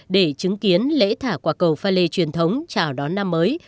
để chứng kiến lễ thả quả cầu pha lê truyền thống chào đón năm mới